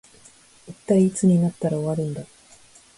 一体いつになったら終わるんだ